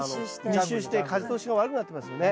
密集して風通しが悪くなってますよね。